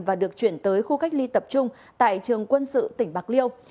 và được chuyển tới khu cách ly tập trung tại trường quân sự tỉnh bạc liêu